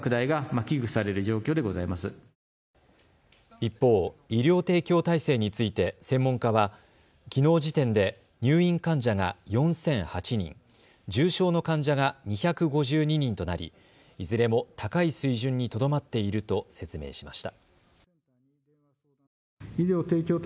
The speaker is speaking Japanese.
一方、医療提供体制について専門家はきのう時点で入院患者が４００８人、重症の患者が２５２人となりいずれも高い水準にとどまっていると説明しました。